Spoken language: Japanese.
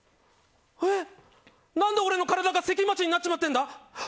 え、何で俺の体が関町になっちまってるんだ？